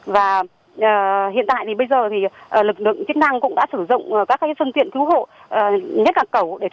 và hiện tại bây giờ lực lượng chức năng cũng đã sử dụng các phương tiện cứu hộ nhất là cầu